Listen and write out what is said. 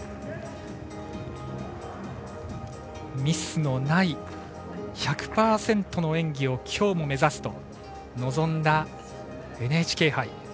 ミスのない１００％の演技を今日も目指すと臨んだＮＨＫ杯。